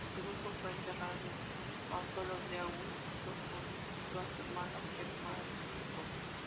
Druso fue enterrado en el mausoleo de Augusto junto a su hermano Germánico.